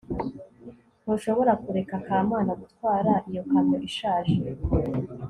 ntushobora kureka kamana gutwara iyo kamyo ishaje